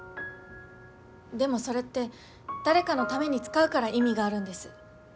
でもそれって誰かのために使うから意味があるんです。